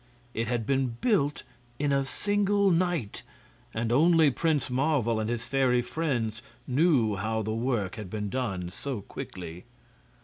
It had been built in a single night, and only Prince Marvel and his fairy friends knew how the work had been done so quickly.